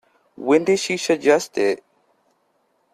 When did she suggest it?